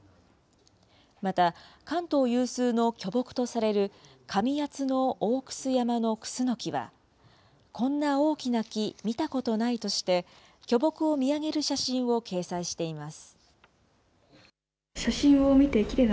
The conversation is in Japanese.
また、関東有数の巨木とされる、上谷の大クス山のクスノキは、こんな大きな木、見たことないとして、巨木を見上げる写真を掲載しています。